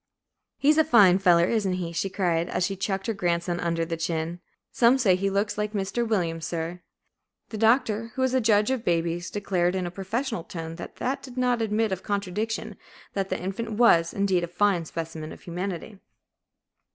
"He's a fine feller, isn't he?" she cried, as she chucked her grandson under the chin; "some says as he looks like Mr. Williams, sir." The Doctor, who is a judge of babies, declared, in a professional tone that did not admit of contradiction, that the infant was, indeed, a fine specimen of humanity.